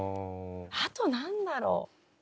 あと何だろう？